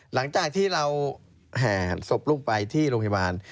หลังจากที่เราแห่ศพลูกไปที่โรงพยาบาล